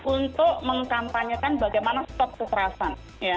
untuk mengkampanyekan bagaimana stop kekerasan